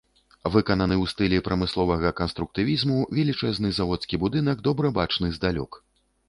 Выкананы ў стылі прамысловага канструктывізму, велічэзны заводскі будынак добра бачны здалёк.